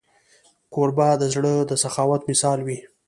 کوربه د زړه د سخاوت مثال وي.